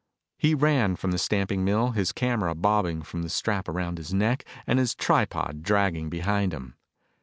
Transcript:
He ran from the stamping mill, his camera bobbing from the strap around his neck and his tripod dragging behind him.